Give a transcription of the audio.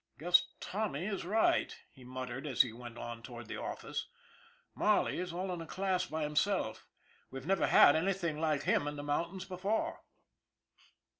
" Guess Tommy is right," he muttered, as he went on toward the office. " Marley's all in a class by him self. We've never had anything like him in the moun tains before."